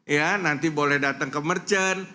ya nanti boleh datang ke merchant